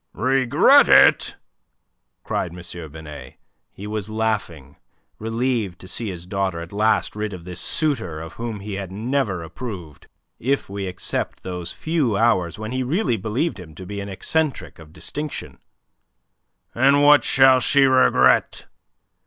"Regret it?" cried M. Binet. He was laughing, relieved to see his daughter at last rid of this suitor of whom he had never approved, if we except those few hours when he really believed him to be an eccentric of distinction. "And what shall she regret?